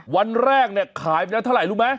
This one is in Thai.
วันแรกเนี่ยขายไปแล้วเท่าไหร่รู้ไหม